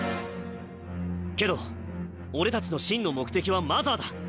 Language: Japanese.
けど俺たちの真の目的はマザーだ。